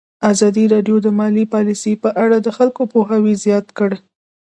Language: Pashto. ازادي راډیو د مالي پالیسي په اړه د خلکو پوهاوی زیات کړی.